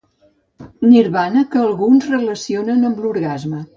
Nirvana que alguns relacionen amb l'orgasme.